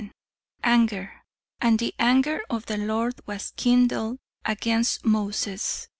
"Anger. 'And the anger of the Lord was kindled against Moses.'